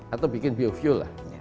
atau bikin biofuel lah